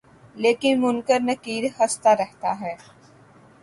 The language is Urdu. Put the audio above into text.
لیکن منکر نکیر ہستہ رہتا ہے